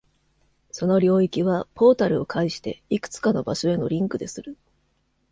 その領域は、ポータルを介していくつかの場所へのリンクでする。